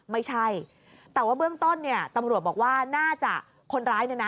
ไม่ใช่แต่ว่าเบื้องต้นเนี่ยตำรวจบอกว่าน่าจะคนร้ายเนี่ยนะ